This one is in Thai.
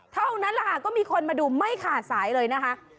เท่านั้นแหละค่ะก็มีคนมาดูไม่ขาดสายเลยนะคะ